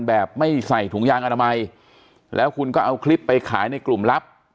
แบบไม่ใส่ถุงยางอนามัยแล้วคุณก็เอาคลิปไปขายในกลุ่มลับ